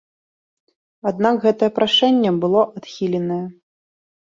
Аднак гэтае прашэнне было адхіленае.